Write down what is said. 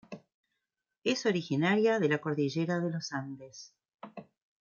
Es originaria de la Cordillera de los Andes.